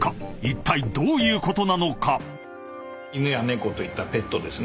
［いったいどういうことなのか？］